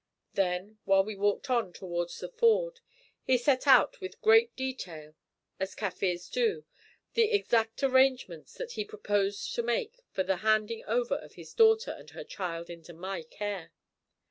Then, while we walked on towards the ford, he set out with great detail, as Kaffirs do, the exact arrangements that he proposed to make for the handing over of his daughter and her child into my care.